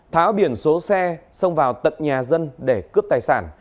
tháo biển số xe xông vào tận nhà dân để cướp tài sản